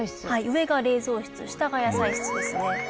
上が冷蔵室下が野菜室ですね。